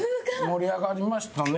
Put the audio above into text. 盛り上がりましたね。